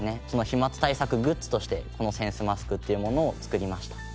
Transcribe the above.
その飛沫対策グッズとしてこのせんすマスクっていうものを作りました。